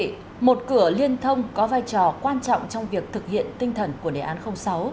thưa quý vị một cửa liên thông có vai trò quan trọng trong việc thực hiện tinh thần của đề án sáu